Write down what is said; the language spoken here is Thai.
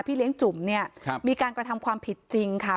เลี้ยงจุ๋มเนี่ยครับมีการกระทำความผิดจริงค่ะ